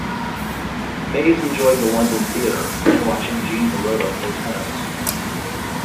Mays enjoyed the London theatre and watching Jean Borotra play tennis.